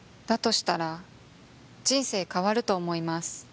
したら人生変わると思います